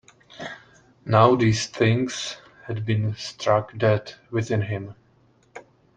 Now these things had been struck dead within him.